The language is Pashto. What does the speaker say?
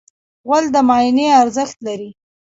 غول د معاینې ارزښت لري.